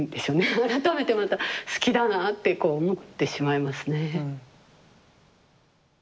改めてまた好きだなあってこう思ってしまいますね。